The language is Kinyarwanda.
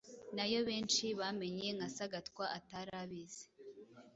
nayo benshi bamenye cyane nka ‘Sagatwa’, atari abizi.